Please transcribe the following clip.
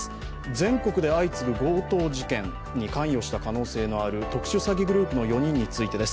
全国で相次ぐ強盗事件に関与した可能性のある特殊詐欺グループの４人についてです。